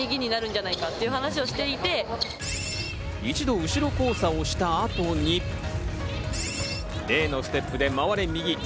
一度後ろ交差をした後に例のステップで回れ右。